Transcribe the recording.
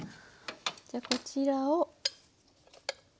じゃあこちらを。